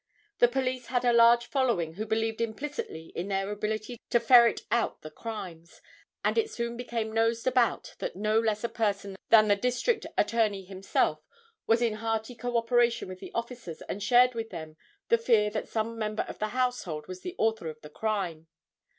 The police had a large following who believed implicitly in their ability to ferret out the crimes, and it soon became noised about that no less a person than the District Attorney himself was in hearty co operation with the officers and shared with them the fear that some member of the household was the author of the crime.